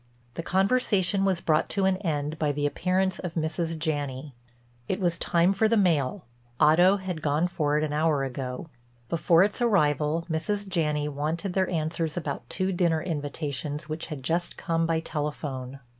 The conversation was brought to an end by the appearance of Mrs. Janney. It was time for the mail; Otto had gone for it an hour ago. Before its arrival Mrs. Janney wanted their answers about two dinner invitations which had just come by telephone.